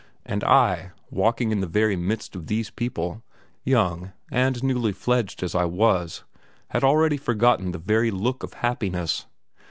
And I, walking in the very midst of these people, young and newly fledged as I was, had already forgotten the very look of happiness.